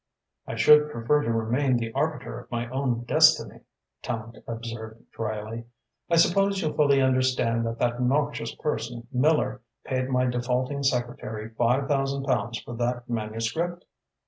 "I should prefer to remain the arbiter of my own destiny," Tallente observed drily. "I suppose you fully understand that that noxious person, Miller, paid my defaulting secretary five thousand pounds for that manuscript?"